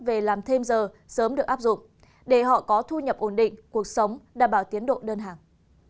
về làm thêm giờ sớm được áp dụng để họ có thu nhập ổn định cuộc sống đảm bảo tiến độ đơn hàng